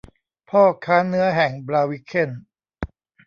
พ่อค้าเนื้อแห่งบลาวิเคน